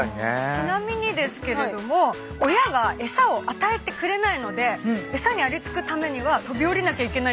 ちなみにですけれども親がエサを与えてくれないのでエサにありつくためには飛び降りなきゃいけないっていう。